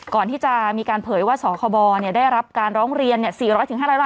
ก่อนที่จะมีการเผยว่าสครบเนี่ยได้รับการร้องเรียนเนี่ย